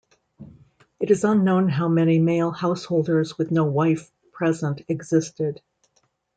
It is unknown how many male householders with no wife present existed.